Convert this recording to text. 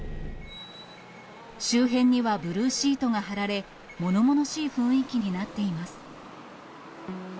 周辺にはブルーシートが張られ、ものものしい雰囲気になっています。